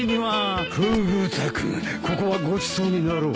ここはごちそうになろう。